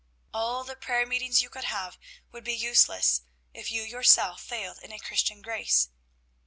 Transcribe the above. All the prayer meetings you could have would be useless, if you yourself failed in a Christian grace.